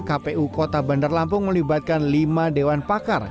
kpu kota bandar lampung melibatkan lima dewan pakar